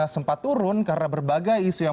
sempat turun karena berbagai isu yang